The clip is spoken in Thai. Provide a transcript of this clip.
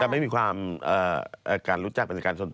แต่ไม่มีความรู้จักเป็นสินค้าส่วนตัว